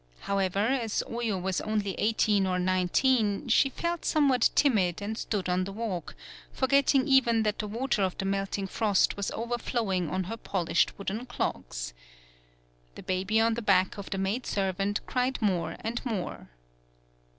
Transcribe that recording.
However, as Oyo was only eighteen or nineteen, she felt somewhat timid and stood on the walk, forgetting even that the water of the melting frost was overflowing on her polished wooden clogs. The baby on the back of the maidservant cried more and more.